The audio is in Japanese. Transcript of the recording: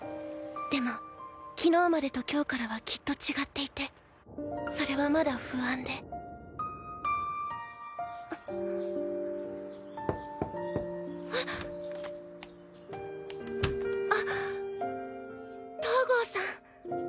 でも昨日までと今日からはきっと違っていてそれはまだ不安で・コンコンコン・ガチャバタンあっ東郷さん。